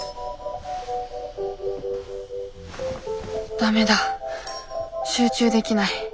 ダメだ集中できない。